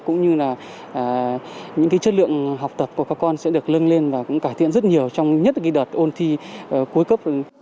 chất lượng học tập của các con sẽ được lưng lên và cải thiện rất nhiều trong nhất đợt ôn thi cuối cấp